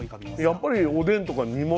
やっぱりおでんとか煮物？